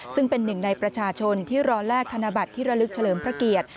ซึ่งเป็นหนึ่งในประชาชนที่รอแลกธนบัตรที่ระลึกเฉลิมพระเกียรติ